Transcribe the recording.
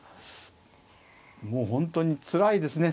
もう本当につらいですね。